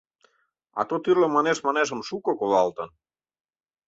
А то тӱрлӧ манеш-манешым шуко колалтын.